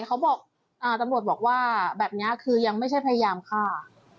ฝ่ายทันบดบอกว่าแบบนี้ครับยังไม่ใช่พยายามฆ่า